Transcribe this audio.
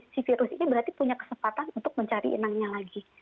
si virus ini berarti punya kesempatan untuk mencari inangnya lagi